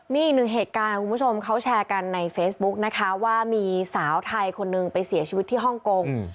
มีอีกหนึ่งเหตุการณ์คุณผู้ชมเขาแชร์กันในเฟซบุ๊กนะคะว่ามีสาวไทยคนหนึ่งไปเสียชีวิตที่ฮ่องกง